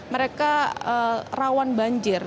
mereka rawan banjir